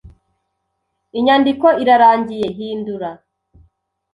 Inyandiko irarangiye. Hindura.